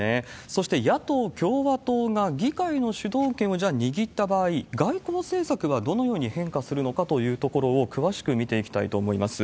そして野党・共和党が議会の主導権を、じゃあ、握った場合、外交政策はどのように変化するのかというところを詳しく見ていきたいと思います。